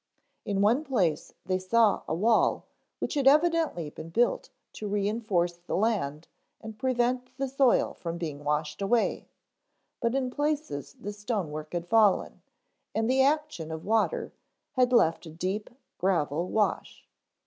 In one place they saw a wall which had evidently been built to re enforce the land and prevent the soil from being washed away, but in places the stone work had fallen and the action of water had left a deep, gravel wash.